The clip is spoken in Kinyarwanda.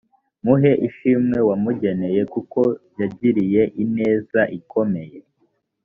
muhe ishimwe wamugeneye kuko yagiriye ineza ikomeye